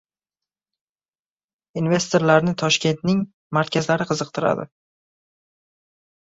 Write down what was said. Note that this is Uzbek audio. Investorlarni Toshkentning markazlari qiziqtiradi